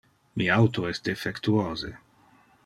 Mi auto es defectuose.